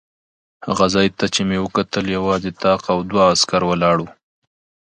هغه ځای ته چې مې وکتل یوازې طاق او دوه عسکر ولاړ و.